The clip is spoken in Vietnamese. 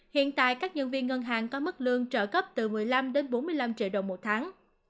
hiện tại các nhân viên ngân hàng có mức lương trợ cấp từ một mươi năm đến bốn mươi năm triệu đồng một tháng